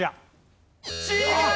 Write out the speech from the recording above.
違う！